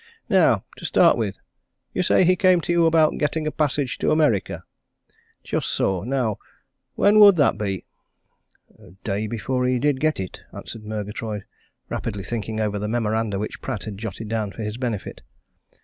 Now, to start with, you say he came to you about getting a passage to America? Just so now, when would that be?" "Day before he did get it," answered Murgatroyd, rapidly thinking over the memoranda which Pratt had jotted down for his benefit.